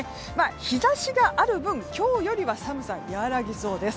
日差しがある分、今日よりは寒さは和らぎそうです。